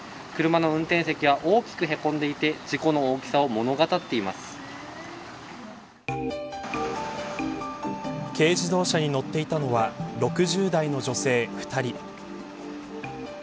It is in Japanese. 車の運転席は大きくへこんでいて軽自動車に乗っていたのは６０代の女性２人。